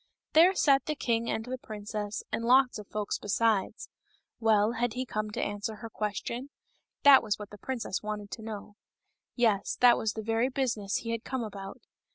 There sat the king and the princess, and lots of folks besides. Well, had he come to answer her question ? That was what the princess wanted to know. Yes ; that was the very business he had come about.